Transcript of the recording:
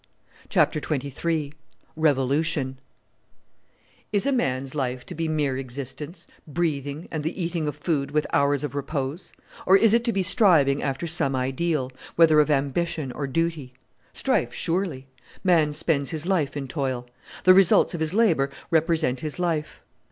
CHAPTER XXIII REVOLUTION "Is a man's life to be mere existence breathing, and the eating of food with hours of repose; or is it to be striving after some ideal, whether of ambition or duty? Strife, surely! Man spends his life in toil; the results of his labour represent his life.